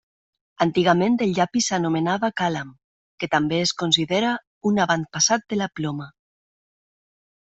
Antigament, el llapis s'anomenava càlam, que també es considera un avantpassat de la ploma.